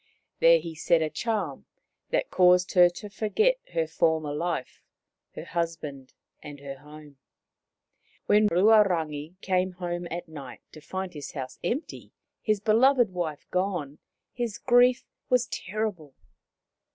There he said a charm that caused her to forget her former life, her husband and her home. When Ruarangi came home at night to find his house empty, his beloved wife gone, his grief was terrible.